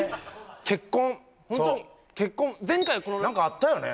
結婚ホントに前回何かあったよね？